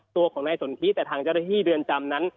ตัวของนายสนทิแต่ทางเจ้าหน้าที่เรือนจำนั้น